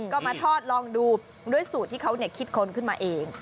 ก็มาทอดลองดูด้วยสูตรที่เขาคิดค้นขึ้นมาเอง